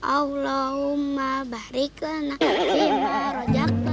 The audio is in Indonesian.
allahumma barikana khairimma rojakna